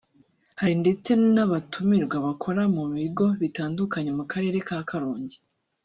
hari ndetse n’abatumirwa bakora mu bigo bitandukanye mu karere ka Karongi